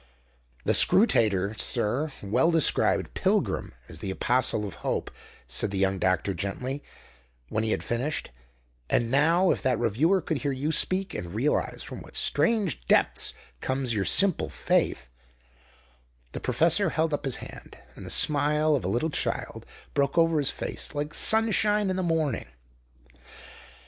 "The Scrutator, sir, well described 'Pilgrim' as the Apostle of Hope," said the young doctor gently, when he had finished; "and now, if that reviewer could hear you speak and realize from what strange depths comes your simple faith " The professor held up his hand, and the smile of a little child broke over his face like sunshine in the morning.